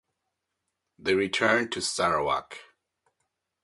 They returned to Sarawak.